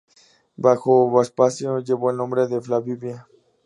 Bajo Vespasiano llevó el nombre de Flavia.